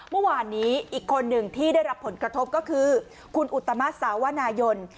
เมื่อวานนี้อีกคนหนึ่งที่ได้รับผลกระทบก็คือคุณอุตมาสสาวนายน